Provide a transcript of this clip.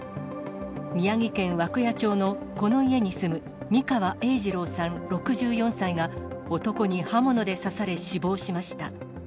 宮城県涌谷町のこの家に住む三川栄治朗さん６４歳が、男に刃物で刺され、死亡しました。